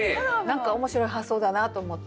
何か面白い発想だなと思って。